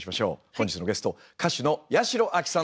本日のゲスト歌手の八代亜紀さんです。